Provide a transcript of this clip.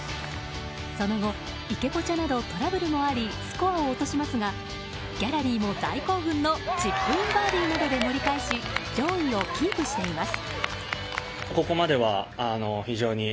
その後、池ポチャなどトラブルもありスコアを落としますがギャラリーも大興奮のチップインバーディーなどで盛り返し上位をキープしています。